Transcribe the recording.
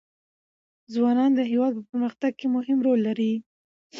ځوانان د هېواد په پرمختګ کې مهم رول لري.